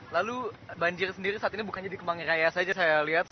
lalu banjir sendiri saat ini bukan jadi kemangi raya saja saya lihat